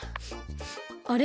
あれ？